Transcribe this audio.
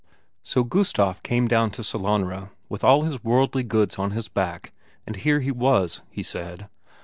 So Gustaf came down to Sellanraa, with all his worldly goods on his back, and here he was, he said.